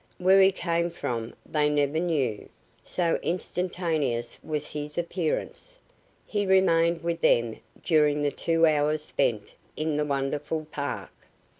Where he came from they never knew, so instantaneous was his appearance. He remained with them during the two hours spent in the wonderful park.